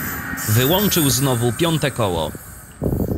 Wyłączył znowu piąte koło.